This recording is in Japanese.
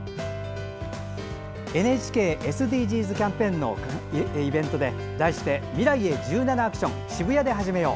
ＮＨＫ・ＳＤＧｓキャンペーンのイベントで題して「未来へ１７ａｃｔｉｏｎ渋谷ではじめよう」。